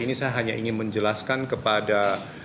ini saya hanya ingin menjelaskan kepada